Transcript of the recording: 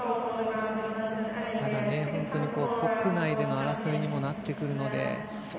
ただ、本当に国内での争いにもなってくるので。